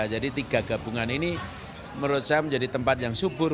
jadi tiga gabungan ini menurut saya menjadi tempat yang subur